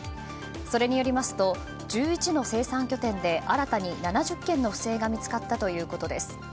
それによりますと１１の生産拠点で新たに７０件の不正が見つかったということです。